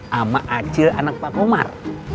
sama acil anak pak komar